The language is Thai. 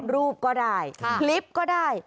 รูปก็ได้คลิปก็ได้